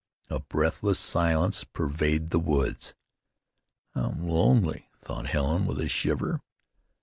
A breathless silence pervaded the woods. How lonely! thought Helen, with a shiver.